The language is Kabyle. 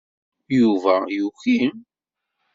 Yuba yuki.